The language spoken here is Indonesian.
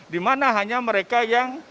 dimana hanya mereka yang